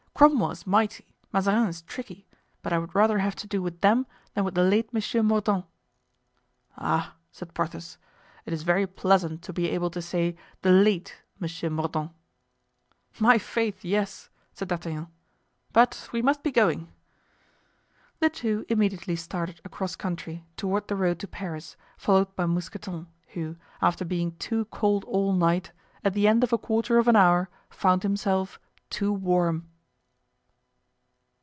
Cromwell is mighty, Mazarin is tricky, but I would rather have to do with them than with the late Monsieur Mordaunt." "Ah!" said Porthos, "it is very pleasant to be able to say 'the late Monsieur Mordaunt.'" "My faith, yes," said D'Artagnan. "But we must be going." The two immediately started across country toward the road to Paris, followed by Mousqueton, who, after being too cold all night, at the end of a quarter of an hour found himself too warm.